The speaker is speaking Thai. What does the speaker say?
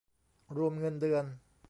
รวมเงินเดือน